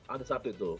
ada satu itu